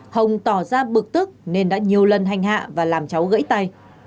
hồng tỏ ra bực tức nên đã nhiều lần hành hạ và làm cháu gãy tay